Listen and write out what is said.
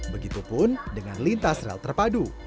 begitupun dengan lintas rel terpadu